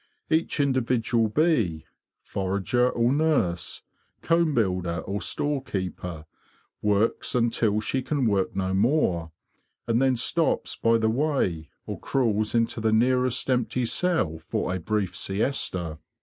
Each in dividual bee—forager or nurse, comb builder or storekeeper—works until she can work no more, and then stops by the way, or crawls into the nearest empty cell for a brief siesta.